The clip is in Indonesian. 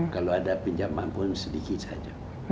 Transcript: kalau ada pinjaman pun sedikit saja